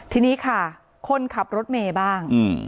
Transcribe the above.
ทีนี้ค่ะคนขับรถเมย์บ้าง